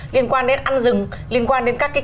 liên quan đến ăn rừng liên quan đến các cái